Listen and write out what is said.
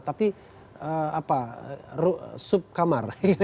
atau pembahasan presiden dengan sembilan vaksin